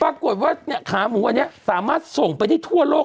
ปรากฏว่าเนี้ยขาหมูอันเนี้ยสามารถส่งไปที่ทั่วโลก